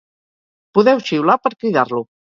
Podeu xiular per cridar-lo.